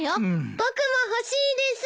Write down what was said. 僕も欲しいです。